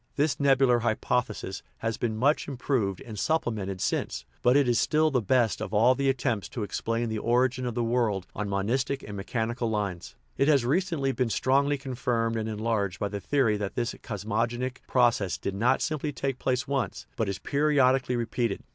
This tt nebular hypothe sis " has been much improved and supplemented since, but it is still the best of all the attempts to explain the origin of the world on monistic and mechanical lines. It has recently been strongly confirmed and enlarged by the theory that this cosmogonic process did not simply take place once, but is periodically repeated.